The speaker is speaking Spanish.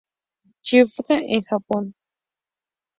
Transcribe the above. Clippers en Japón.